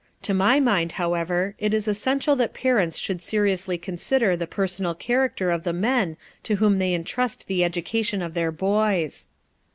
To my mind, however, it is essential that parents should seriously consider the personal character of the men to whom they intrust the education of their boys.